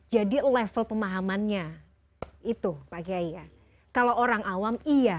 jadi level pemahamannya itu pak kiai ya kalau orang awam iya